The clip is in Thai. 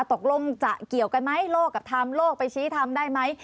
ตกลงจะเกี่ยวกันไหมโลกกับทำโลกไปชี้ทำได้ไหม